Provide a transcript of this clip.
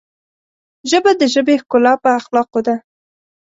ژبه د ژبې ښکلا په اخلاقو ده